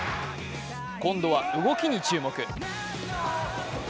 今度は動きに注目。